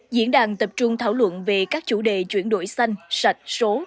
diễn đàn tập trung thảo luận về các chủ đề chuyển đổi xanh sạch số